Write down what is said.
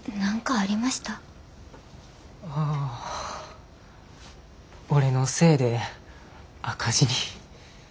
ああ俺のせいで赤字に。